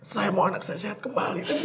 saya mau anak saya sehat kembali